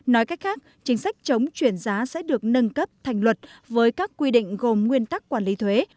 nói cách khác chính sách chống chuyển giá sẽ được nâng cấp thành luật với các quy định gồm nguyên tắc quản lý thuế